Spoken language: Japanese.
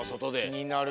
きになる。